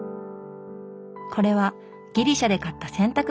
これはギリシャで買った洗濯ばさみだそう。